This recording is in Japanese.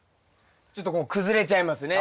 ちょっとこう崩れちゃいますね。